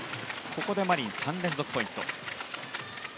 ここでマリン、３連続ポイント。